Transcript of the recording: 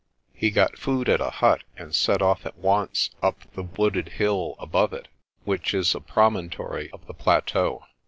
He got food at a hut and set off at once up the wooded hill above it, which is a promontory of the plateau.